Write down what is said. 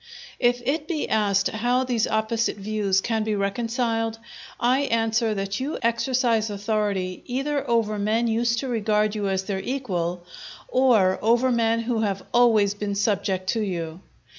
_" If it be asked how these opposite views can be reconciled, I answer that you exercise authority either over men used to regard you as their equal, or over men who have always been subject to you.